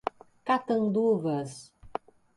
Catanduvas